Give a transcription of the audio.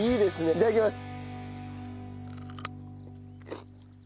いただきます。